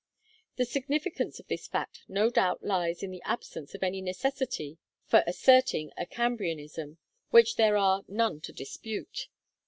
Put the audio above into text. The significance of this fact no doubt lies in the absence of any necessity for asserting a Cambrianism which there are none to dispute.